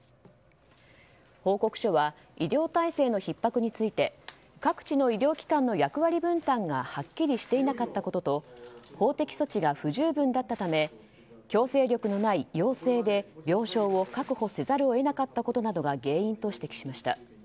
報告書は医療体制のひっ迫について各地の医療機関の役割分担がはっきりしていなかったことと法的措置が不十分だったため強制力のない要請で病床を確保せざるを得なかったことなどが原因と指摘しました。